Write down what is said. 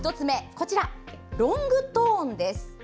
こちら、ロングトーンです。